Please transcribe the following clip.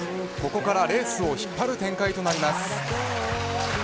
ここからレースを引っ張る展開となります。